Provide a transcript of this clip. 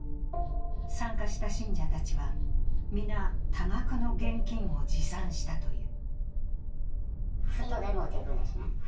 参加した信者たちは皆多額の現金を持参したという。